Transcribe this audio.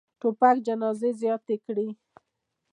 توپک جنازې زیاتې کړي.